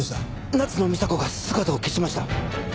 夏野美紗子が姿を消しました。